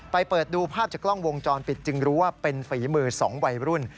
เปิดดูภาพจากกล้องวงจรปิดจึงรู้ว่าเป็นฝีมือ๒วัยรุ่น